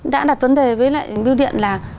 đã đặt vấn đề với lại biêu điện là